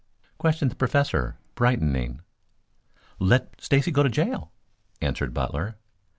questioned the Professor, brightening. "Let Stacy go to jail," answered Butler.